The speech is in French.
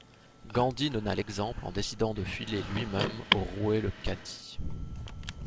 Gandhi donna l'exemple en décidant de filer lui-même au rouet le khadi.